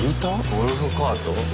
ゴルフカート？